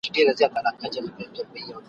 ښځي په سیاست کي هم ونډه لرلای سي.